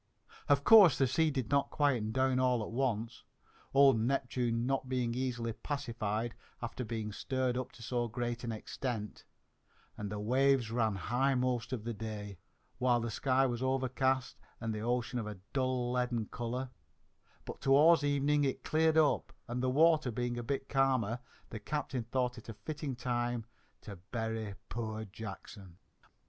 Of course the sea did not quiet down all at once, old Neptune not being easily pacified after being stirred up to so great an extent, and the waves ran high most of the day, while the sky was overcast and the ocean of a dull leaden colour; but towards evening it cleared up and, the water being a bit calmer, the captain thought it a fitting time to bury poor Jackson.